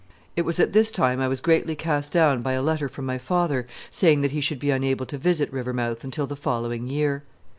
It was at this time I was greatly cast down by a letter from my father saying that he should be unable to visit Rivermouth until the following year.